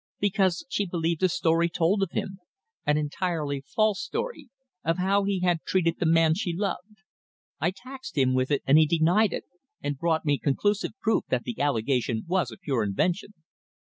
"Because she believed a story told of him an entirely false story of how he had treated the man she loved. I taxed him with it, and he denied it, and brought me conclusive proof that the allegation was a pure invention."